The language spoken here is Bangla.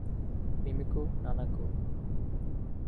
মিমিকো, নানাকো!